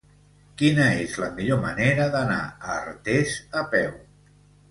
Quina és la millor manera d'anar a Artés a peu?